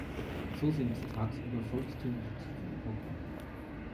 So sind tagsüber volkstümliche Titel im Programm.